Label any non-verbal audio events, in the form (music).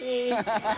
ハハハ (laughs)